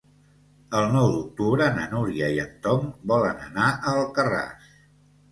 El nou d'octubre na Núria i en Tom volen anar a Alcarràs.